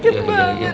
bel sakit banget